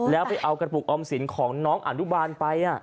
แล้วไปเอากระปุกออมสินของน้องอนุบาลไป